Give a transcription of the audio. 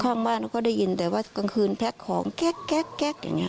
ข้างบ้านเขาก็ได้ยินแต่ว่ากลางคืนแพ็คของแก๊กอย่างนี้